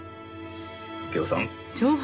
右京さん